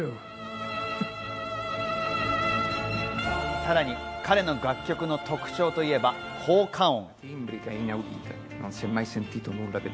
さらに彼の楽曲の特徴といえば効果音。